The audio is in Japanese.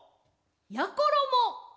やころも。